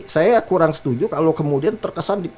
saya kurang setuju kalau kemudian terkesan